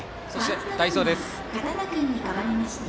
代走です。